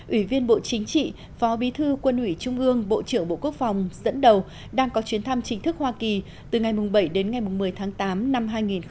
ủy viên bộ chính trị phó bí thư quân ủy trung ương bộ trưởng bộ quốc phòng dẫn đầu đang có chuyến thăm chính thức hoa kỳ từ ngày bảy đến ngày một mươi tháng tám năm hai nghìn một mươi chín